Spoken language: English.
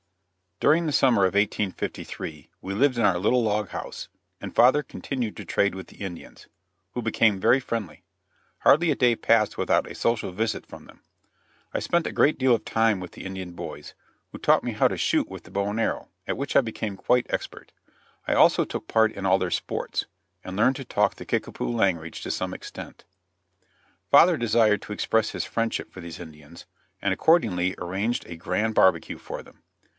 During the summer of 1853 we lived in our little log house, and father continued to trade with the Indians, who became very friendly; hardly a day passed without a social visit from them. I spent a great deal of time with the Indian boys, who taught me how to shoot with the bow and arrow, at which I became quite expert. I also took part in all their sports, and learned to talk the Kickapoo language to some extent. Father desired to express his friendship for these Indians, and accordingly arranged a grand barbecue for them.